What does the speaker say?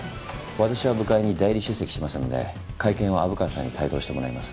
私は部会に代理出席しますので会見は虻川さんに帯同してもらいます。